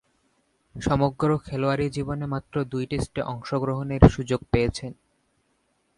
সমগ্র খেলোয়াড়ী জীবনে মাত্র দুই টেস্টে অংশগ্রহণের সুযোগ পেয়েছেন।